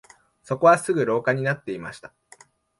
そこはすぐ廊下になっていました